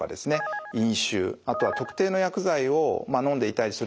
飲酒あとは特定の薬剤をのんでいたりするとですね